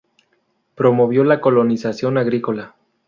Promovió la colonización agrícola.